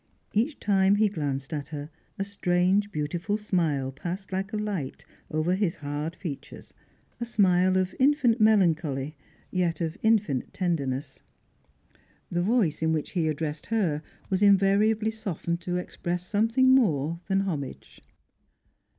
Each time he glanced at her, a strange beautiful smile passed like a light over his hard features, a smile of infinite melancholy, yet of infinite tenderness. The voice in which he addressed her was invariably softened to express something more than homage.